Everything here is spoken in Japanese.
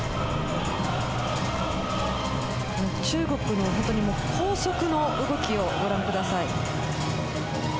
中国の高速の動きをご覧ください。